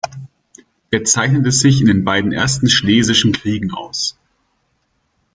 Er zeichnete sich in den beiden ersten Schlesischen Kriegen aus.